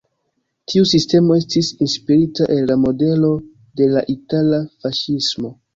Tiu sistemo estis inspirita el la modelo de la itala faŝismo.